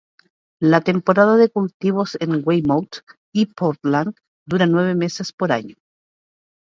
La temporada de cultivos en Weymouth y Pórtland dura nueve meses por año.